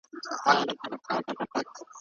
د طلاق په قضیو کي د ښځو حقونه ساتل کیدل.